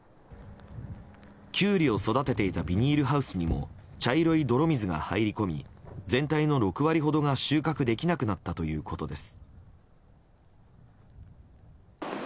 キュウリを育てていたビニールハウスにも茶色い泥水が入り込み全体の６割ほどが収穫できなくなったということです。